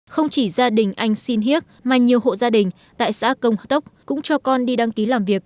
không chỉ gia đình anh xin hiếc mà nhiều hộ gia đình tại xã công hơ tốc cũng cho con đi đăng ký làm việc